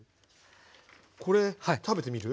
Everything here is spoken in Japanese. これ食べてみる？